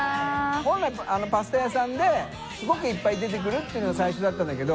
本来パスタ屋さんですごくいっぱい出てくるっていうのが最初だったんだけど。